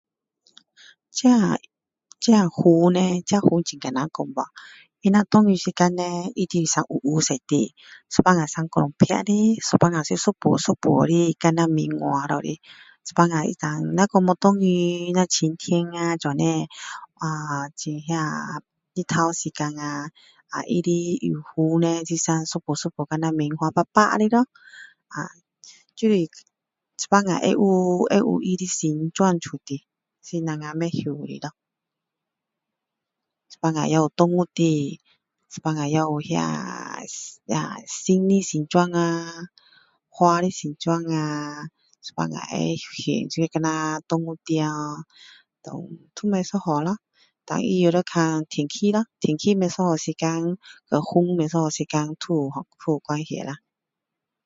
这个这个云叻这个云很难讲bah如果是下雨时间leh那就是生黒黑色的有时候像整片有时候是一团一团的像棉花那样有时候如果没有下雨如果晴天的这样呃太阳的时候它的云是长一团一团白白就是有时候会有它的性状出来是我们不知道的有动物的有时候会有心的形状花的形状呀有时候会显出来像动物啦然后都不一样啦但也是要看天气啦天气不一样的时候跟风不一样的时间都都有关系啦